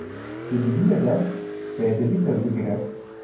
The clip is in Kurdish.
Di civînê de bi edebî tevbigere.